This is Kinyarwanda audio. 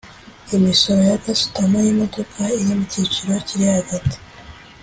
imisoro ya gasutamo y’imodoka iri mu cyiciro kiri hagati